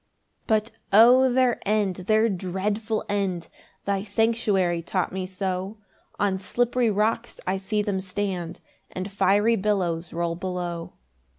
2 But O their end, their dreadful end! Thy sanctuary taught me so: On slippery rocks I see them stand, And fiery billows roll below.